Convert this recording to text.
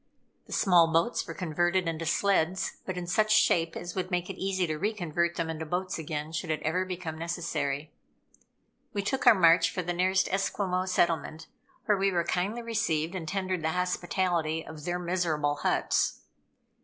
The small boats were converted into sleds, but in such shape as would make it easy to re convert them into boats again, should it ever become necessary. We took our march for the nearest Esquimaux settlement, where we were kindly received and tendered the hospitality of their miserable huts.